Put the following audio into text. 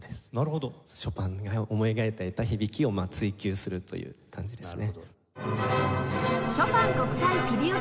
ショパンが思い描いていた響きを追求するという感じですね。